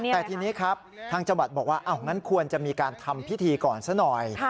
แต่ทีนี้ครับทางจังหวัดบอกว่างั้นควรจะมีการทำพิธีก่อนซะหน่อย